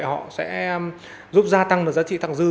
họ sẽ giúp gia tăng giá trị thẳng dư